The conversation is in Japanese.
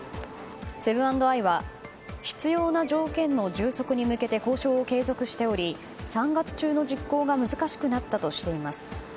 セブン＆アイは必要な条件の充足に向けて交渉を継続しており３月中の実行が難しくなったとしています。